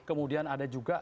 kemudian ada juga